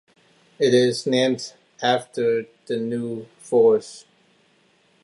It is named after the New Forest.